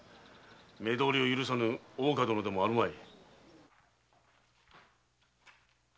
目通りを許さぬ大岡殿でもあるまい。